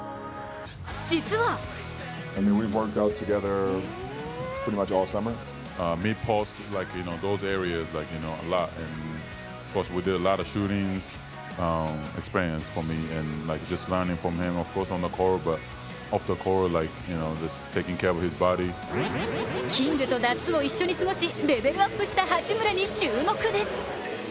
実はキングと夏を一緒に過ごしレベルアップした八村に注目です。